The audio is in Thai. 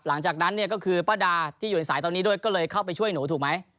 หลังจากนั้นเนี่ยก็คือป้าดาที่อยู่ในสายตอนนี้ด้วยก็เลยเข้าไปช่วยหนูถูกไหม